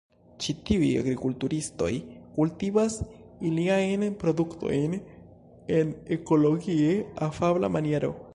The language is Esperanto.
Ĉi tiuj agrikulturistoj kultivas iliajn produktojn en ekologie afabla maniero.